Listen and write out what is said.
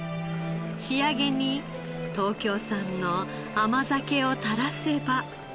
仕上げに東京産の甘酒を垂らせば。